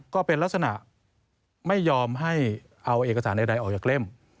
ก็เป็นลักษณะไม่ยอมให้เอาเอกสารใดออกจากเล่ม